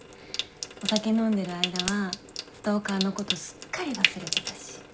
お酒飲んでる間はストーカーのことすっかり忘れてたし。